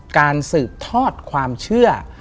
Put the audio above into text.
การสืบทอดความเชื่อ